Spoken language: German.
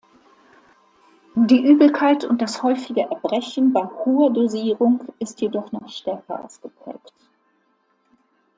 Die Übelkeit und das häufige Erbrechen bei hoher Dosierung ist jedoch noch stärker ausgeprägt.